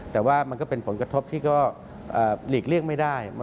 แต่ว่ามันก็เป็นผลกระทบที่ก็หลีกเลี่ยงไม่ได้